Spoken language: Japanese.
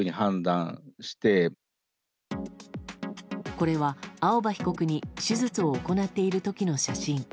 これは、青葉被告に手術を行っている時の写真。